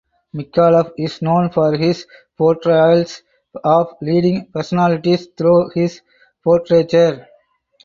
Micallef is known for his portrayals of leading personalities through his portraiture.